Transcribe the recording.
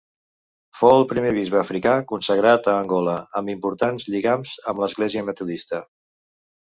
Fou el primer bisbe africà consagrat a Angola, amb importants lligams amb l'Església Metodista.